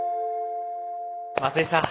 松井さん